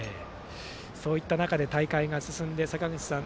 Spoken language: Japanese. そういった中で大会が進んで坂口さん